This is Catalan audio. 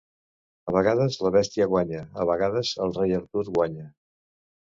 A vegades la bèstia guanya, a vegades el rei Artur guanya.